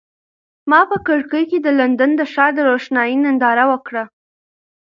ما په کړکۍ کې د لندن د ښار د روښنایۍ ننداره وکړه.